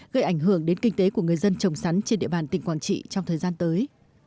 gây ảnh hưởng đến kinh tế của người dân trồng sắn trên địa bàn tỉnh quảng trị trong thời gian tới